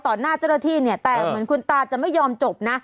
หน้าเจ้าหน้าที่เนี่ยแต่เหมือนคุณตาจะไม่ยอมจบนะ